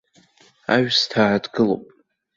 Аҩсҭаа дгылоуп.